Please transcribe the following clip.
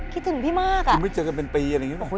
คิดถึงพี่มากอ่ะคุณไม่เจอกันเป็นปีอะไรอย่างนี้หรอ